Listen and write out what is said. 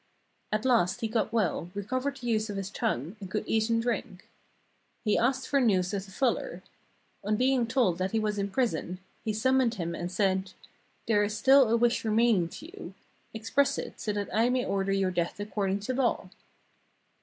At last he got well, recovered the use of his tongue, and could eat and drink. He asked for news of the fuller. On being told that he was in prison, he sum moned him and said: 'There is still a wish remaining to you: express it, so that I may order your death ac cording to law.'